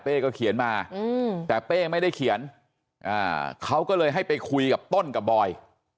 ก็เขียนมาแต่เป้ไม่ได้เขียนเขาก็เลยให้ไปคุยกับต้นกับบอย